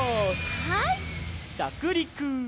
はい。